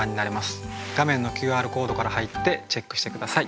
画面のＱＲコードから入ってチェックして下さい。